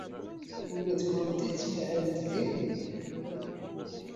Ula d kennemti tettmahalemt din?